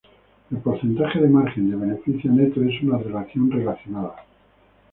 El porcentaje de margen de beneficio neto es una relación relacionada.